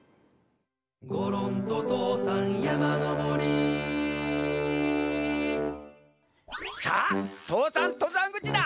「ごろんととうさんやまのぼり」さあ父山とざんぐちだ。